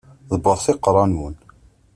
Ḍebbret iqeṛṛa-nwen!